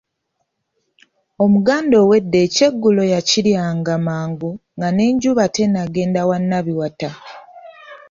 Omuganda ow’edda ekyeggulo yakiryanga mangu nga n’enjuba tenagenda wa Nabiwata.